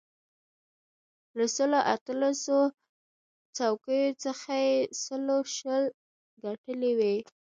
له سلو اتلسو څوکیو څخه یې سلو شلو ګټلې وې.